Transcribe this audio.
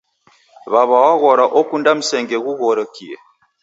Wawa waghora okunda msenge ghughorokie